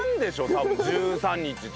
多分１３日って。